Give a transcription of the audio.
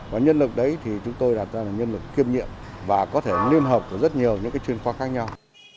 và nhân lực đấy thì chúng tôi đạt ra là nhân lực kiêm nhiệm và có thể liên hợp với rất nhiều chuyên khoa khác nhau